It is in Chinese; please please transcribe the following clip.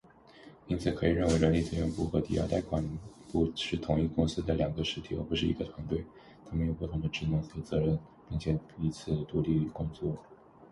因此，可以认为人力资源部和抵押贷款部是同一公司的两个实体，而不是一个团队。它们有不同的职能和责任，并且彼此独立工作。